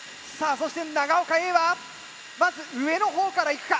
そして長岡Ａはまず上の方からいくか？